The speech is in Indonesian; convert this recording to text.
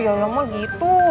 ya udah mah gitu